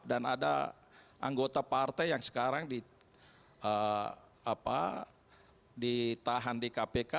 dan ada anggota partai yang sekarang ditahan di kpk